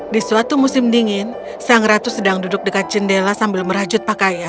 di suatu musim dingin sang ratu sedang duduk dekat jendela sambil merajut pakaian